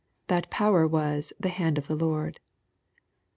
That power was the " hand of the Lord."